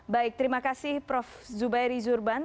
baik terima kasih prof zubairi zurban